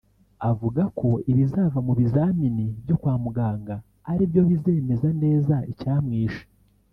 avuga ko ibizava mu bizamini byo kwa muganga ari byo bizemeza neza icyamwishe